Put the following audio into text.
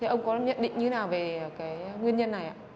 ông có nhận định như thế nào về nguyên nhân này